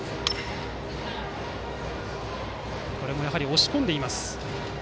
これもやはり押し込んでいます。